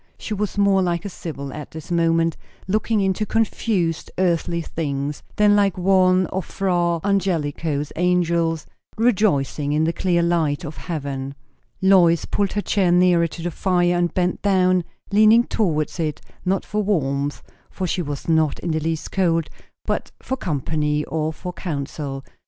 She was more like a sybil at this moment, looking into confused earthly things, than like one of Fra Angelico's angels rejoicing in the clear light of heaven. Lois pulled her chair nearer to the fire, and bent down, leaning towards it; not for warmth, for she was not in the least cold; but for company, or for counsel.